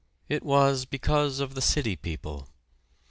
It was because of the city people.